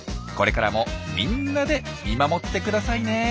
これからもみんなで見守ってくださいね。